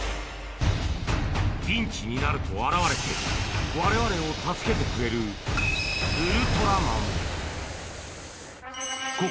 ピンチになると現れてわれわれを助けてくれるウルトラマン